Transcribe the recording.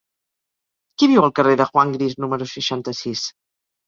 Qui viu al carrer de Juan Gris número seixanta-sis?